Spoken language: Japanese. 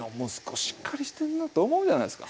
しっかりしてんなと思うじゃないですか。